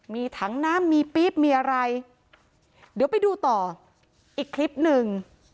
มีถังน้ำมีปี๊บมีอะไรเดี๋ยวไปดูต่ออีกคลิปหนึ่ง